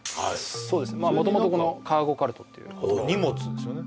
そうですねまあ元々このカーゴカルトっていう荷物ですよね